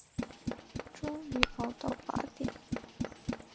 终于熬到八点